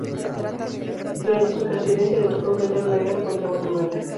Durante su presidencia, le tocó enfrentar una guerra contra Guatemala.